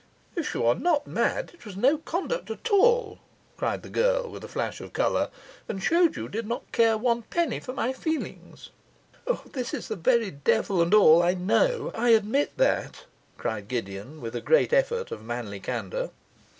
'If you are not mad, it was no conduct at all,' cried the girl, with a flash of colour, 'and showed you did not care one penny for my feelings!' 'This is the very devil and all. I know I admit that,' cried Gideon, with a great effort of manly candour.